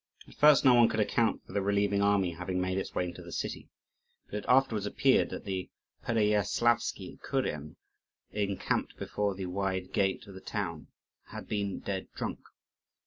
At first, no one could account for the relieving army having made its way into the city; but it afterwards appeared that the Pereyaslavsky kuren, encamped before the wide gate of the town, had been dead drunk.